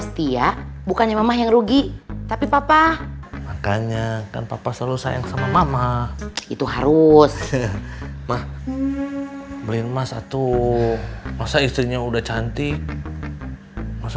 sampai jumpa di video selanjutnya